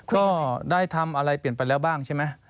ก็ได้ทำอะไรเปลี่ยนไปแล้วบ้างใช่ไหม